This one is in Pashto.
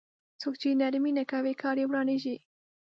څوک چې نرمي نه کوي کار يې ورانېږي.